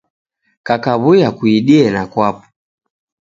Kakaw'uya kuidie na kwapo.